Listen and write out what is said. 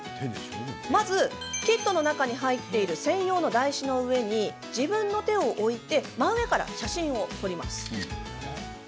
まず、キットの中に入っている専用の台紙の上に自分の手を置いて真上から写真を撮ります。